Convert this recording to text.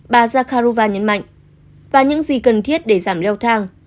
bà zakharova nhấn mạnh và những gì cần thiết để giảm leo thang